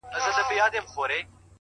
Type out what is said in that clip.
په خپل کور کي چي ورلوېږي زیندۍ ورو ورو!